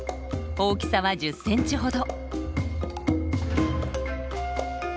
大きさは２０センチほど。